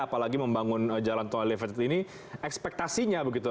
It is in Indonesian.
apalagi membangun jalan tol elevated ini ekspektasinya begitu